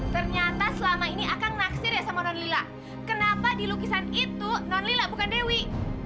ternyata selama ini akang naksir ya sama nonlila kenapa di lukisan itu nonlila bukan dewi